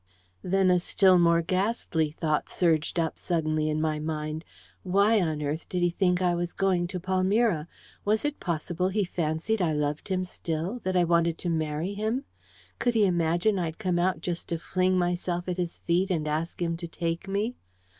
Then a still more ghastly thought surged up suddenly in my mind. Why on earth did he think I was going to Palmyra? Was it possible he fancied I loved him still that I wanted to marry him? Could he imagine I'd come out just to fling myself at his feet and ask him to take me?